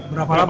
berapa lama bu